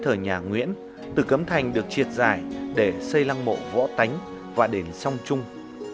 từ thời nhà nguyễn tử cấm thành được triệt giải để xây lăng mộ võ tánh và đền song chuồng